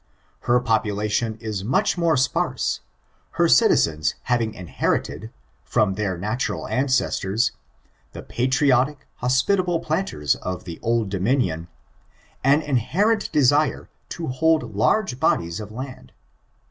Her population is much more sparse, her citizens having inherited, from their natural ancestors, the patriotic, hospitable planters of the ^^ Old Dominion," an inherent desire to hold large bodies of land.